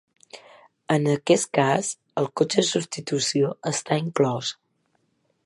En aquest cas el cotxe de substitució està inclòs.